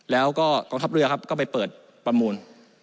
แล้วก็กองทัพเรือครับก็ไปเปิดประมูล